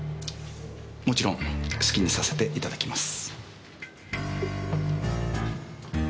もちろん好きにさせていただきます。